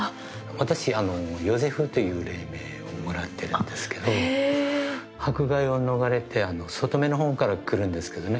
私、ヨゼフという礼名をもらってるんですけど迫害を逃れて外海のほうから来るんですけどね